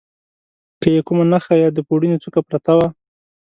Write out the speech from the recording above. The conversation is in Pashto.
که یې کومه نخښه یا د پوړني څوکه پرته وه.